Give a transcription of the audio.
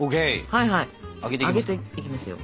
はいはい上げていきますよ。